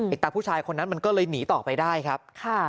ตาผู้ชายคนนั้นมันก็เลยหนีต่อไปได้ครับ